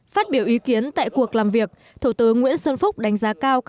phát biểu ý kiến tại cuộc làm việc thủ tướng nguyễn xuân phúc đánh giá cao